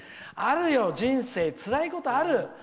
あるよ、人生、つらいことある！